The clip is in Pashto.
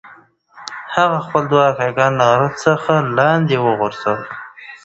هغه خپل دوه اکاګان له غره څخه لاندې وغورځول.